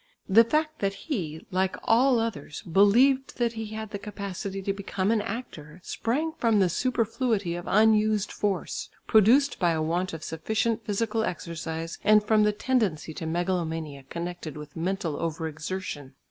The fact that he, like all others, believed that he had the capacity to become an actor, sprang from the superfluity of unused force, produced by a want of sufficient physical exercise, and from the tendency to megalomania connected with mental over exertion.